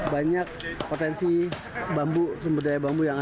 banyak potensi bambu sumber daya bambu yang ada